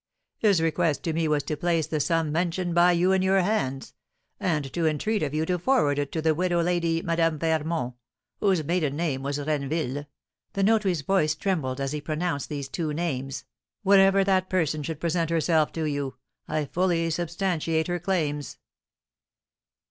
His request to me was to place the sum mentioned by you in your hands, and to entreat of you to forward it to the widow lady, Madame Fermont, whose maiden name was Renneville (the notary's voice trembled as he pronounced these two names), whenever that person should present herself to you. I fully substantiate her claims."